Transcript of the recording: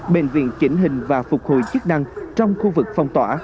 bệnh viện chỉnh hình và phục hồi chức năng trong khu vực phong tỏa